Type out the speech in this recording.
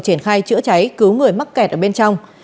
triển khai chữa cháy cứu người mắc kẹt ở bên trong